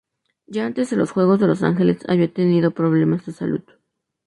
Ya antes de los Juegos de Los Ángeles había tenido problemas de salud.